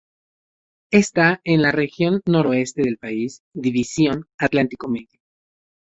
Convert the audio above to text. Está en la región Noreste del país, división Atlántico Medio.